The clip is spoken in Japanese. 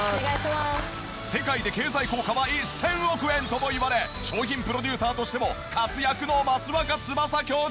世界で経済効果は１０００億円ともいわれ商品プロデューサーとしても活躍の益若つばさ教授。